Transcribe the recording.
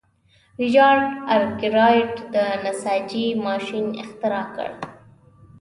ریچارډ ارکرایټ د نساجۍ ماشین اختراع کړ.